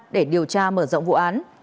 để điều tra mở rộng vụ án